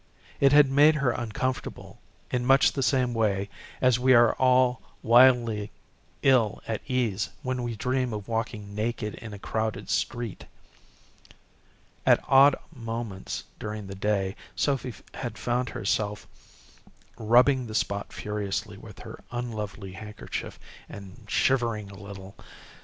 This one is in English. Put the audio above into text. It had made her uncomfortable in much the same way as we are wildly ill at ease when we dream of walking naked in a crowded street. At odd moments during the day Sophy had found herself rubbing the spot furiously with her unlovely handkerchief, and shivering a little.